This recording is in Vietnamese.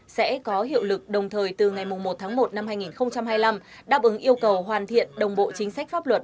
sẽ có hiệu lực đồng thời từ ngày một tháng một năm hai nghìn hai mươi năm đáp ứng yêu cầu hoàn thiện đồng bộ chính sách pháp luật